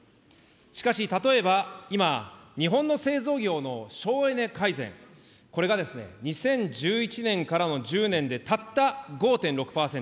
しかし、例えば今、日本の製造業の省エネ改善、これがですね、２０１１年からの１０年でたった５．６％。